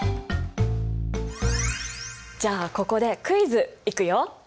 じゃあここでクイズいくよ！